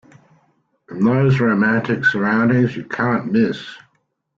In those romantic surroundings you can't miss.